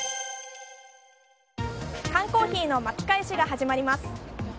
缶コーヒーの巻き返しが始まります。